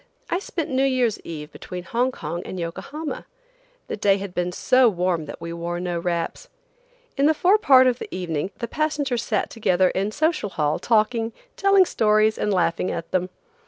I spent New Year's eve between Hong Kong and Yokohama. The day had been so warm that we wore no wraps. In the forepart of the evening the passengers sat together in Social Hall talking, telling stories and laughing at them.